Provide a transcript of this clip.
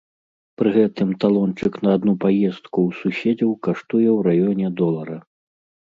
Пры гэтым талончык на адну паездку ў суседзяў каштуе ў раёне долара.